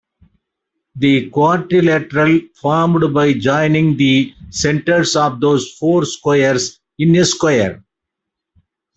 The quadrilateral formed by joining the centers of those four squares is a square.